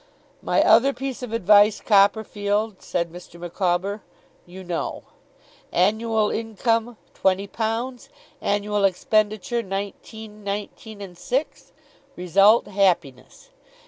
'My other piece of advice, Copperfield,' said Mr. Micawber, 'you know. Annual income twenty pounds, annual expenditure nineteen nineteen and six, result happiness.